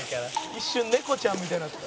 「一瞬猫ちゃんみたいになってた」